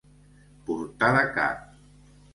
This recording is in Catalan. Portar de cap.